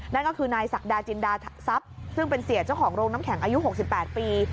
นั่นก็คือนายศักดาจินดาทรัพย์ซึ่งเป็นเสียเจ้าของโรงน้ำแข็งอายุ๖๘ปี